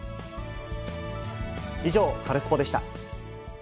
以上、カルスポっ！でした。